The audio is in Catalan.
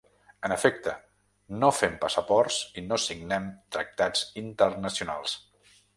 En efecte, no fem passaports i no signem tractats internacionals.